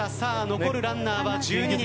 残るランナーは１２人。